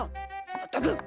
まったく！